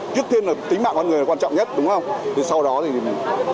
trước tiên là tính mạng con người quan trọng nhất đúng không thì sau đó thì khi mà mình thoát